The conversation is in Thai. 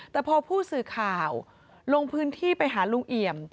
แต่พอผู้สื่อข่าวลงพื้นที่ไปหาลุงเอี่ยม